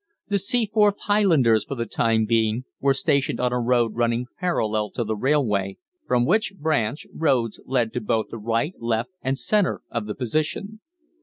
The Seaforth Highlanders for the time being were stationed on a road running parallel to the railway, from which branch roads led to both the right, left, and centre of the position.